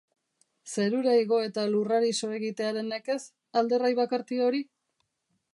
Zerura igo eta lurrari so egitearen nekez, alderrai bakarti hori?.